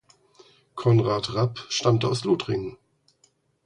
Konrad Rapp stammte aus Lothringen.